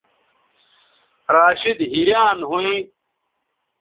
راشدحیریان ھویں